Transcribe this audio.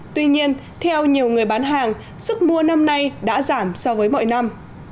tuy nhiên theo nhiều người bán hàng sức mua năm nay đã giảm so với mọi năm